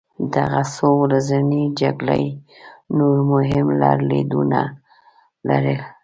دغه څو ورځنۍ جګړې نور مهم لرلېدونه لرل.